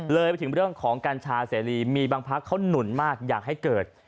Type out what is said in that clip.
เลยไปถึงเรื่องของกัญชาเสรีมีบางพักเขาหนุนมากอยากให้เกิด